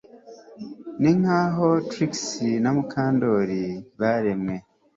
Ninkaho Trix na Mukandoli baremwe